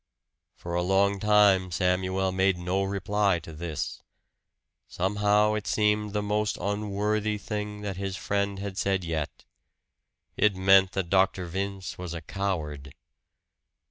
For a long time Samuel made no reply to this. Somehow it seemed the most unworthy thing that his friend had said yet. It meant that Dr. Vince was a coward!